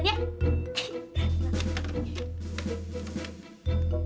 eh balik lagi